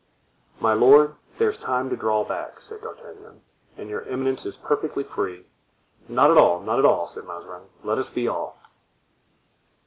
"My lord, there is time to draw back," said D'Artagnan, "and your eminence is perfectly free." "Not at all, not at all," said Mazarin; "let us be off."